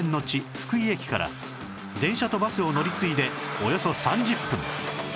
福井駅から電車とバスを乗り継いでおよそ３０分